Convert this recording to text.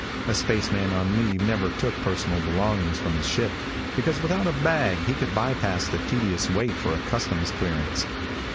A spaceman on leave never took personal belongings from his ship, because without a bag he could by pass the tedious wait for a customs clearance.